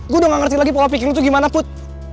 gue udah gak ngerti lagi pola pikir itu gimana put